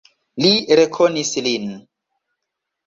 Li rekonis lin.